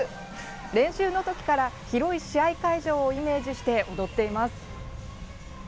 練習の時から、広い試合会場をイメージして踊っています。